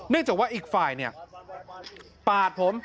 จากว่าอีกฝ่ายเนี่ยปาดผม